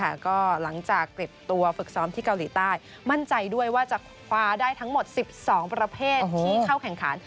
ก็หลังจากเก็บตัวฝึกซ้อมที่เกาหลีใต้มั่นใจด้วยว่าจะคว้าได้ทั้งหมด๑๒ประเภทที่เข้าแข่งขัน